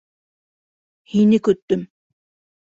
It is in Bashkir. Һине көттөм.